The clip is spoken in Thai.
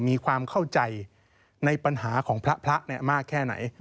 มีความเข้าใจในปัญหาของพระมากแค่ไหน